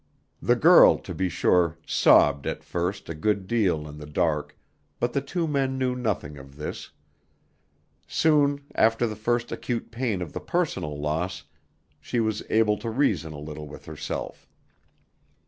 The girl, to be sure, sobbed at first a good deal in the dark but the two men knew nothing of this. Soon, after the first acute pain of the personal loss, she was able to reason a little with herself.